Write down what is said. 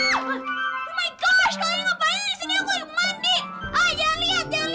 oh my gosh kalian ngapain disini aku yang mandi